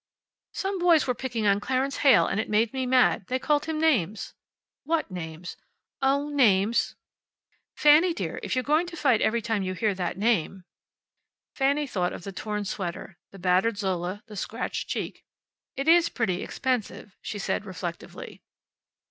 "Some boys were picking on Clarence Heyl, and it made me mad. They called him names." "What names?" "Oh, names." "Fanny dear, if you're going to fight every time you hear that name " Fanny thought of the torn sweater, the battered Zola, the scratched cheek. "It is pretty expensive," she said reflectively.